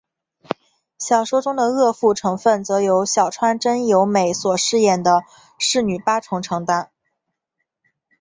小说中的恶妇成份则由小川真由美所饰演的侍女八重承担。